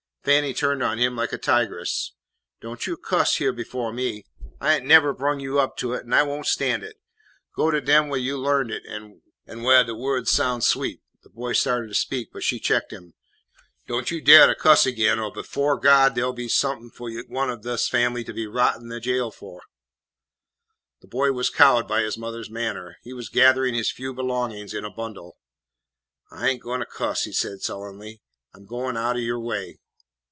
Fannie turned on him like a tigress. "Don't you cuss hyeah befo' me; I ain't nevah brung you up to it, an' I won't stan' it. Go to dem whaih you larned it, an whaih de wo'ds soun' sweet." The boy started to speak, but she checked him. "Don't you daih to cuss ag'in or befo' Gawd dey 'll be somep'n fu' one o' dis fambly to be rottin' in jail fu'!" The boy was cowed by his mother's manner. He was gathering his few belongings in a bundle. "I ain't goin' to cuss," he said sullenly, "I 'm goin' out o' your way."